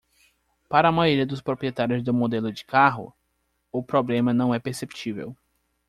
Para a maioria dos proprietários do modelo de carro?, o problema não é perceptível.